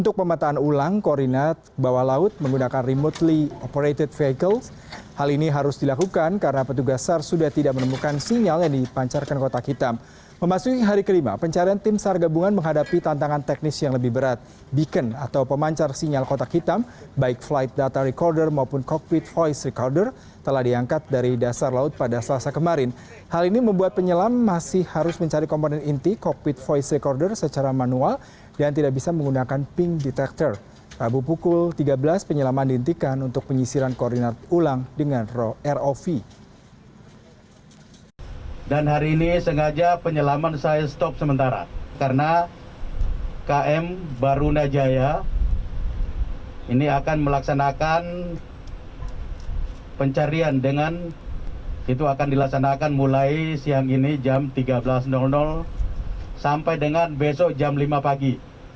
karena km barunajaya ini akan melaksanakan pencarian dengan itu akan dilaksanakan mulai siang ini jam tiga belas sampai dengan besok jam lima pagi